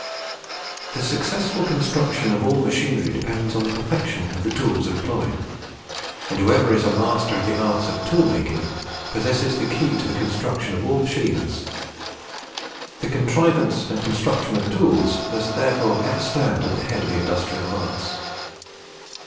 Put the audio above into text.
"The successful construction of all machinery depends on the perfection of the tools employed; and whoever is a master in the arts of tool making possesses the key to the construction of all machines..... The contrivance and construction of tools must therefore ever stand at the head of the industrial arts."